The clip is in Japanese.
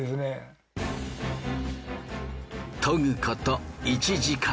研ぐこと１時間。